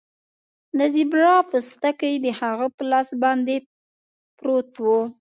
د زیبرا پوستکی د هغه په لاس باندې پروت و